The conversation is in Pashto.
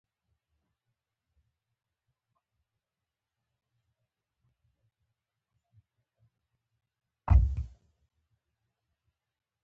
پنجشنبې شپه وه چې موږ کندوز ته ورسېدو.